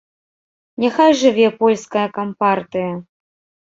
Няхай жыве польская кампартыя.